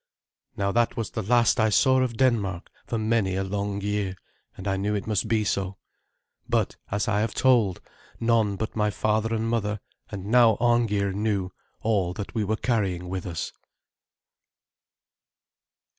Now that was the last I saw of Denmark for many a long year, and I knew it must be so. But, as I have told, none but my father and mother, and now Arngeir, knew all that we were carrying with us.